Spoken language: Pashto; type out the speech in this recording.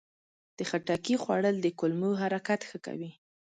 د خټکي خوړل د کولمو حرکت ښه کوي.